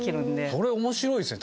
それ面白いですね